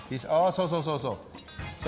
そうそうそうそう！